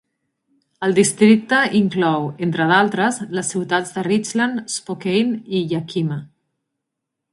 El districte inclou, entre d'altres, les ciutats de Richland, Spokane i Yakima.